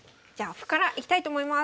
歩からいきたいと思います。